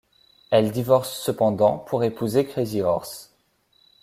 Elle divorce cependant pour épouser Crazy Horse.